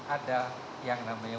ada yang namanya